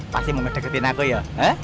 pasti mau deketin aku ya